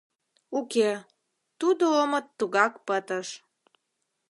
Уке, тудо омо тугак пытыш.